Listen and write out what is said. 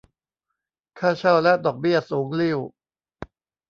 ค่าเช่าและดอกเบี้ยสูงลิ่ว